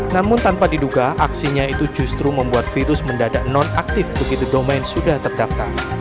namun tanpa diduga aksinya itu justru membuat virus mendadak non aktif begitu domain sudah terdaftar